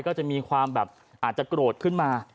ก็จะมีความแบบอาจจะโกรธขึ้นมา